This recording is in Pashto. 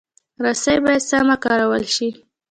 رسۍ باید سمه کارول شي.